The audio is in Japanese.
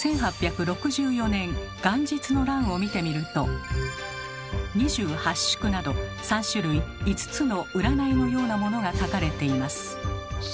１８６４年元日の欄を見てみると「二十八宿」など３種類５つの占いのようなものが書かれています。